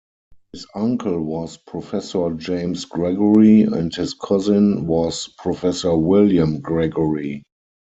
His uncle was Professor James Gregory and his cousin was Professor William Gregory.